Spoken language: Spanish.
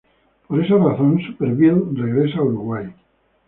Por esa razón, Supervielle regresa a Uruguay.